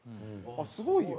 あっすごいやん。